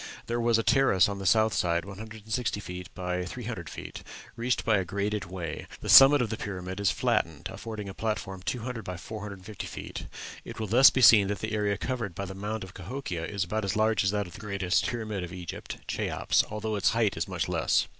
There was a terrace on the south side 160 by 300 feet, reached by a graded way; the summit of the pyramid is flattened, affording a platform 200 by 450 feet. It will thus be seen that the area covered by the mound of Cahokia is about as large as that of the greatest pyramid of Egypt, Cheops, although its height is much less.